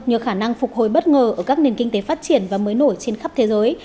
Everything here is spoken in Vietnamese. nhờ khả năng phục hồi bất ngờ ở các nền kinh tế phát triển và mới nổi trên khắp thế giới